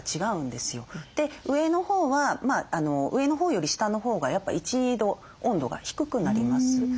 上のほうは上のほうより下のほうがやっぱ１度温度が低くなります。